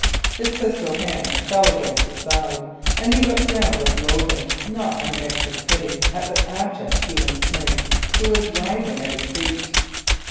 His pistol hand fell against his side, and he looked down with loathing not unmixed with pity at the abject human snake who was writhing at his feet.